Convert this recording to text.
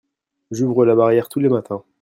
J'ouvre la barrière tous les matins.